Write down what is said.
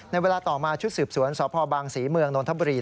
เวลาต่อมาชุดสืบสวนสพบางศรีเมืองนนทบุรี